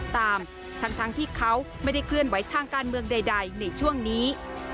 ทั้งที่เขาไม่ได้เคลื่อนไหวทางการเมืองใดในช่วงนี้